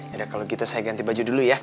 ada kalau gitu saya ganti baju dulu ya